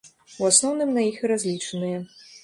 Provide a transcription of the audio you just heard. У асноўным на іх і разлічаныя.